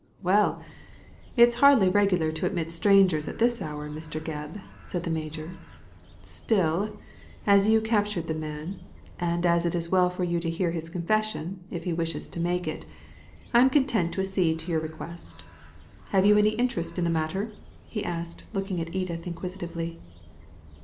"Well, it is hardly regular to admit strangers at this hour, Mr. Gebb," said the Major. " Still, as you captured the man, and it is as well for you to hear his confession, if he wishes to make it, I am content to accede to your request. Have you any interest in the matter ?" he asked, looking at Edith inquisitively.